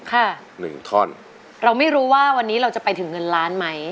ค่ะหนึ่งท่อนเราไม่รู้ว่าวันนี้เราจะไปถึงเงินล้านไหม